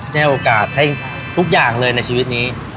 ให้โอกาสให้ทุกอย่างเลยในชีวิตนี้